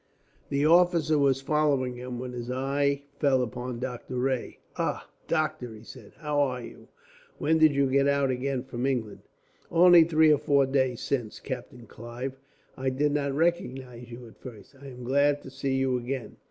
The officer was following them, when his eye fell upon Doctor Rae. "Ah! Doctor," he said, "how are you? When did you get out again from England?" "Only three or four days since, Captain Clive. I did not recognize you, at first. I am glad to see you again."